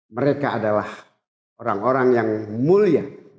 mereka adalah orang orang yang mulia